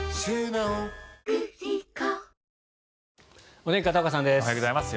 お天気、片岡さんです。